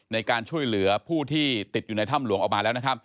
ในการช่วยเหลือผู้ที่ติดอยู่ในถ้ำหลวงออกมาแล้วนะครับ